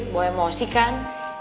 bawa emosi kan